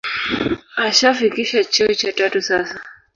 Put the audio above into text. Ashafikisha cheo cha tatu sasa